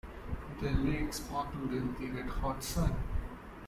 The lake sparkled in the red hot sun.